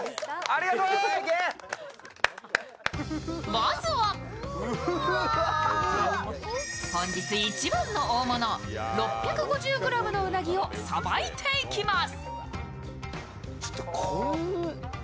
まずは本日一番の大物、６５０ｇのうなぎをさばいていきます。